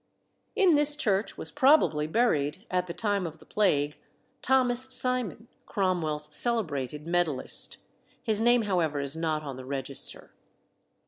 In this church was probably buried, at the time of the Plague, Thomas Simon, Cromwell's celebrated medallist. His name, however, is not on the register.